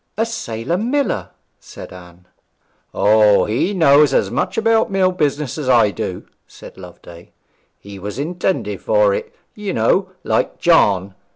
'A sailor miller!' said Anne. 'O, he knows as much about mill business as I do,' said Loveday; 'he was intended for it, you know, like John.